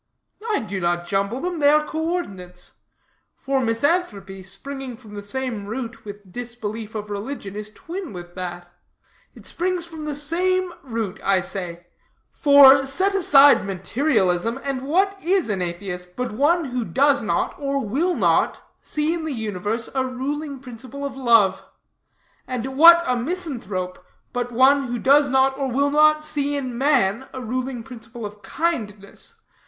"I do not jumble them; they are coordinates. For misanthropy, springing from the same root with disbelief of religion, is twin with that. It springs from the same root, I say; for, set aside materialism, and what is an atheist, but one who does not, or will not, see in the universe a ruling principle of love; and what a misanthrope, but one who does not, or will not, see in man a ruling principle of kindness?